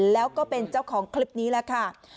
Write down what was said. แล้วก็เป็นเจ้าของคลิปนี้แหละค่ะ